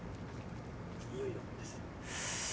いよいよですね。